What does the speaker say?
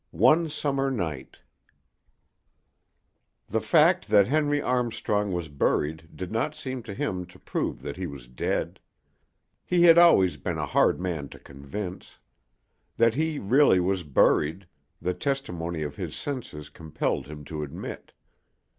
ONE SUMMER NIGHT THE fact that Henry Armstrong was buried did not seem to him to prove that he was dead: he had always been a hard man to convince. That he really was buried, the testimony of his senses compelled him to admit.